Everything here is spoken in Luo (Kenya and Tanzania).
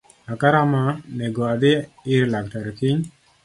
Laka rama nego adhii ir laktar kiny